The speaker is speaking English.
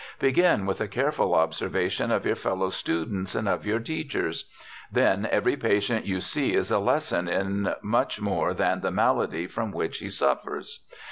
Begin with a careful observation of your fellow students and of your teachers; then, every patient you see is a lesson in much more than the malady from which he suffers.